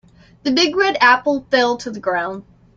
The big red apple fell to the ground.